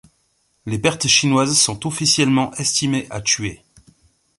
Les pertes chinoises sont officiellement estimées à tués.